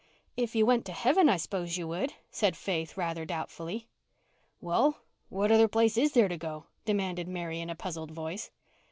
"If you went to heaven I s'pose you would," said Faith, rather doubtfully. "Well, what other place is there to go to?" demanded Mary in a puzzled voice.